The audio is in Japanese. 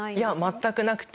全くなくて。